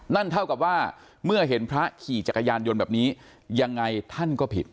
นั่นเท่ากับว่าเมื่อเห็นพระขี่จักรยานยนต์แบบนี้ยังไงท่านก็ผิด